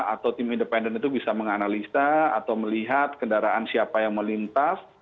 atau tim independen itu bisa menganalisa atau melihat kendaraan siapa yang melintas